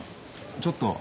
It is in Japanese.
ちょっと。